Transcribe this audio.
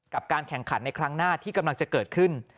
การแข่งขันในครั้งหน้าที่กำลังจะเกิดขึ้น